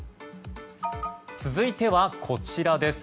続いてはこちらです。